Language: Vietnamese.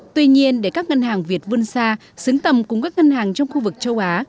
tuy nhiên để các ngân hàng việt vươn xa xứng tầm cùng các ngân hàng trong khu vực châu á